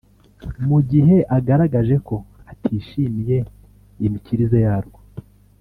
mu gihe agaragaje ko atishimiye imikirize yarwo